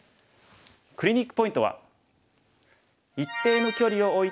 クリニックポイントは。